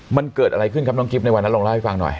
มันเกิดอะไรขึ้นครับน้องกิ๊บในวันนั้นลองเล่าให้ฟังหน่อย